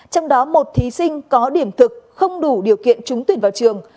trong đó một thí sinh có điểm thực không đủ điều kiện trúng tuyển vào trường